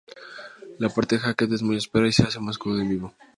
La parte de Hackett es muy áspera y se hace más cruda en vivo.